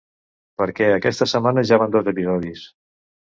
Perquè aquesta setmana ja van dos episodis.